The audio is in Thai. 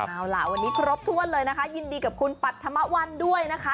เอาล่ะวันนี้ครบถ้วนเลยนะคะยินดีกับคุณปัธมวันด้วยนะคะ